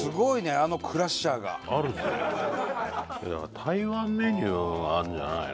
台湾メニューはあるんじゃないの？